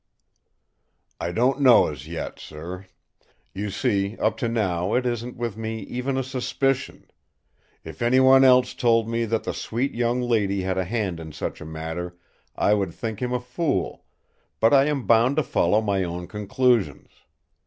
"I don't know as yet, sir. You see, up to now it isn't with me even a suspicion. If any one else told me that that sweet young lady had a hand in such a matter, I would think him a fool; but I am bound to follow my own conclusions.